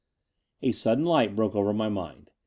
A sudden light broke over my mind.